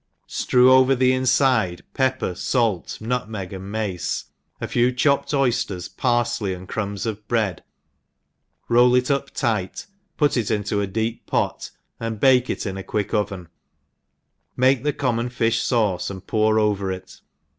ftrew over the iniide pepper, fait, nutmeg, and mace^ a few chopped oyfters, parfley, and crumbs of bread, roll it up tight, put it into a deep pot, and bake it in a quick oven, make the common fi(h fauce and pour over it.